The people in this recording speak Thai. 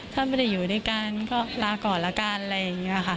ถ้าไม่ได้อยู่ด้วยกันก็ลาก่อนละกันอะไรอย่างนี้ค่ะ